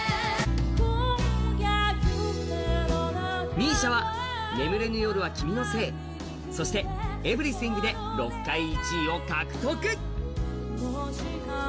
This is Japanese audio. ＭＩＳＩＡは「眠れぬ夜は君のせい」そして「Ｅｖｅｒｙｔｈｉｎｇ」で６回１位を獲得。